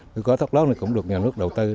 nuôi cá thất lót cũng được nhà nước đầu tư